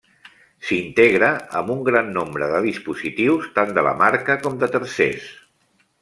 S'integra amb un gran nombre de dispositius, tant de la marca com de tercers.